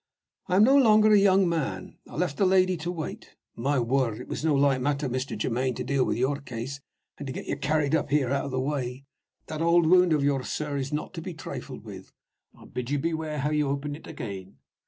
I am no longer a young man: I left the lady to wait. My word! it was no light matter, Mr. Germaine, to deal with your case, and get you carried up here out of the way. That old wound of yours, sir, is not to be trifled with. I bid you beware how you open it again.